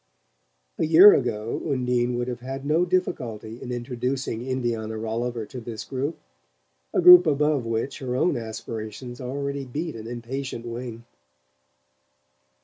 A year ago Undine would have had no difficulty in introducing Indiana Rolliver to this group a group above which her own aspirations already beat an impatient wing.